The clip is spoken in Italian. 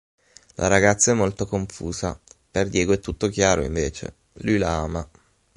La ragazza è molto confusa, per Diego è tutto chiaro invece, lui la ama.